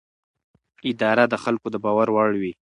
اداره د خلکو د باور وړ وي.